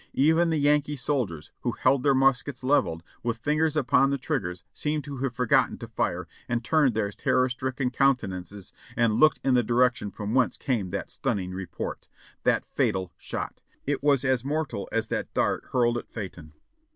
Even the Yankee soldiers, who held their muskets leveled, with fingers upon the triggers, seemed to have forgotten to fire, and turned their terror stricken counte nances and looked in the direction from whence came that stun ning report — that fatal shot. It was as mortal as the dart hurled at Phaeton.